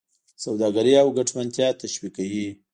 سوداګري او ګټمنتیا تشویقوي.